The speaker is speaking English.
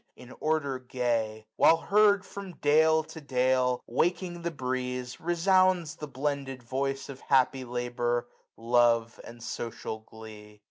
In order gay. While heard from dale to dale, Waking the breeze, resounds the blended voice Of happy labour, love, and social glee.